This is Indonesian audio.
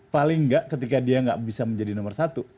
paling nggak ketika dia nggak bisa menjadi nomor satu